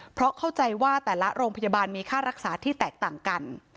เพราะเข้าใจว่าแต่ละโรงพยาบาลมีค่ารักษาที่แตกต่างกัน